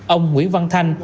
ông nguyễn văn thanh